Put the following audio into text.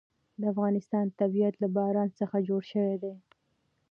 د افغانستان طبیعت له باران څخه جوړ شوی دی.